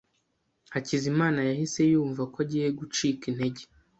Hakizimana yahise yumva ko agiye gucika intege.